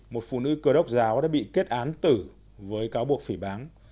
một phụ nữ cơ đốc giáo đã bị kết án tử với cáo buộc phỉ bán